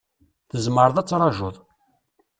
Tzemreḍ ad trajuḍ.